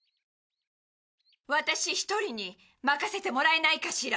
ワタシ一人に任せてもらえないかしら？